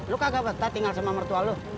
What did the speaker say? lu kagak betah tinggal sama mertua lu